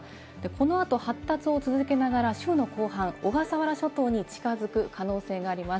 このあと発達を続けながら週の後半、小笠原諸島に近づく可能性があります。